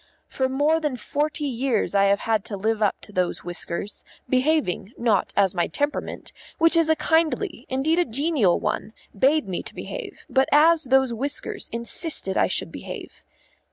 For more than forty years I have had to live up to those whiskers, behaving, not as my temperament, which is a kindly, indeed a genial one, bade me to behave, but as those whiskers insisted I should behave.